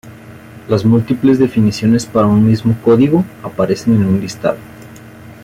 Las múltiples definiciones para un mismo código aparecen en un listado.